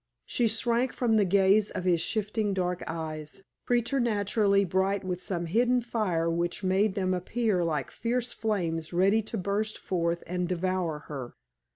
She shrank from the gaze of his shifting dark eyes, preternaturally bright with some hidden fire which made them appear like fierce flames ready to burst forth and devour her.